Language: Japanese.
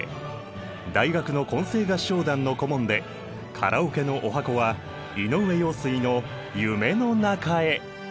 大学の混声合唱団の顧問でカラオケの十八番は井上陽水の「夢の中へ」！